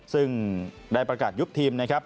ซึ่งได้ประกาศยุคทีม